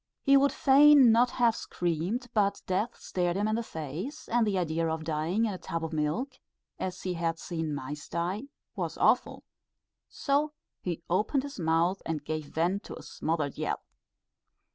He would fain not have screamed, but death stared him in the face, and the idea of dying in a tub of milk, as he had seen mice die, was awful; so he opened his mouth and gave vent to a smothered yell.